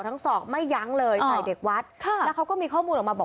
ศอกไม่ยั้งเลยใส่เด็กวัดค่ะแล้วเขาก็มีข้อมูลออกมาบอก